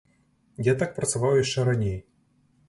Я так працаваў яшчэ раней.